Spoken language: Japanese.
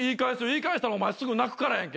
言い返したらお前すぐ泣くからやんけ。